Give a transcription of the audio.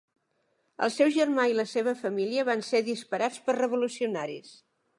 El seu germà i la seva família van ser disparats per revolucionaris.